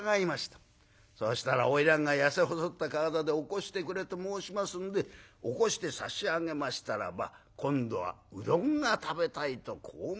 そうしたら花魁が痩せ細った体で起こしてくれと申しますんで起こして差し上げましたらば今度はうどんが食べたいとこう申します。